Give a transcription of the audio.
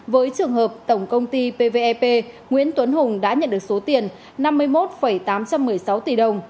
với trường hợp tổng công ty pvep nguyễn tuấn hùng đã nhận được số tiền năm mươi một tám trăm một mươi sáu tỷ đồng